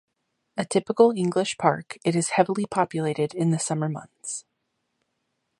A typical English park, it is heavily populated in the summer months.